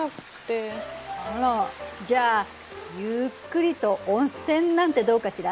あらじゃあゆっくりと温泉なんてどうかしら？